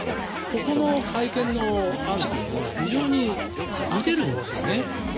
ここの改憲の案というのが非常に似てるんですよね。